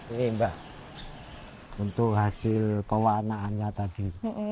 ini mbak untuk hasil pewarnaannya tadi